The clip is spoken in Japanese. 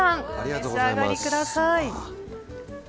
お召し上がりください。